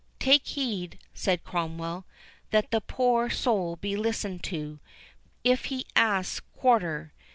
"Take heed," said Cromwell, "that the poor soul be listened to, if he asks quarter.